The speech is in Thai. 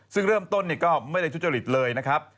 ซึ่งเริ่มต้นก็ไม่ได้ทุจริตเลยนะครับ